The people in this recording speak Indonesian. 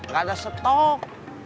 gak ada setok